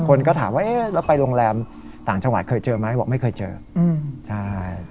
คนก็ถามว่าเอ๊ะแล้วไปโรงแรมต่างจังหวัดเคยเจอไหมบอกไม่เคยเจออืมใช่